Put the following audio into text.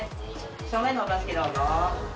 正面のお座敷どうぞ。